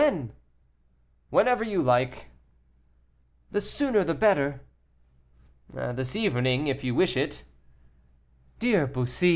"Whenever you like." "The sooner the better." "This evening if you wish it." "Dear Bussy."